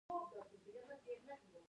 د ګرمۍ د حساسیت لپاره سړې اوبه وڅښئ